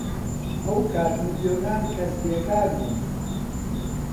ئەو کات ملیۆنان کەس بێکار بوون.